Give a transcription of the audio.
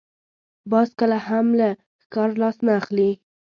باز کله هم له ښکار لاس نه اخلي